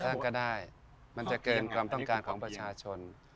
ก็ได้มันจะเกินความต้องการของประชาชน